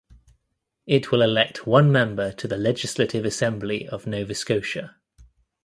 It will elect one member to the Legislative Assembly of Nova Scotia.